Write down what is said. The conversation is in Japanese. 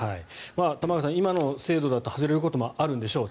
玉川さん、今の精度だと外れることもあるんでしょう。